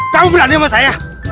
kamu berani sama saya